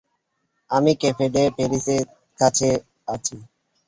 আমি cafe day প্যারিসের কাছে আছি।